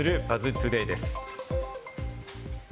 トゥデイです。